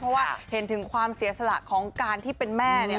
เพราะว่าเห็นถึงความเสียสละของการที่เป็นแม่เนี่ย